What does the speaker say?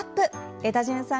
エダジュンさん